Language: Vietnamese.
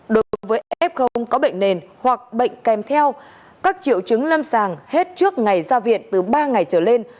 đối với f có bệnh nền hoặc bệnh kèm theo các triệu chứng lâm sàng hết trước ngày ra viện từ ba ngày trở lên